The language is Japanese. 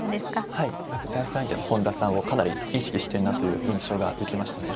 はいやっぱ対戦相手の本田さんをかなり意識してるなという印象が受けましたね。